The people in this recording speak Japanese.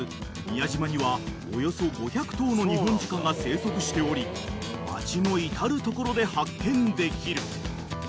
［宮島にはおよそ５００頭のニホンジカが生息しており町の至る所で発見できる］